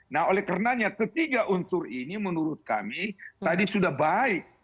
nah oleh karenanya ketiga unsur ini menurut kami tadi sudah baik